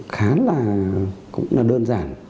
khá là cũng là đơn giản